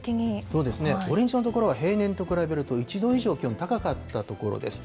そうですね、オレンジ色の所は平年と比べると１度以上気温高かった所です。